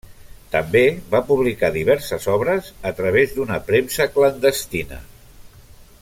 També va publicar diverses obres a través d'una premsa clandestina.